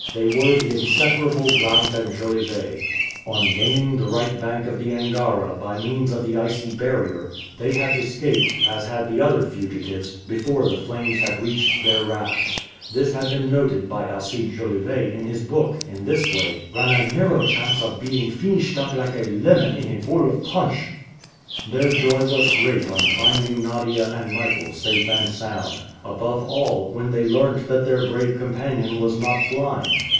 They were the inseparable Blount and Jolivet. On gaining the right bank of the Angara by means of the icy barrier, they had escaped, as had the other fugitives, before the flames had reached their raft. This had been noted by Alcide Jolivet in his book in this way: "Ran a narrow chance of being finished up like a lemon in a bowl of punch!" Their joy was great on finding Nadia and Michael safe and sound; above all, when they learnt that their brave companion was not blind.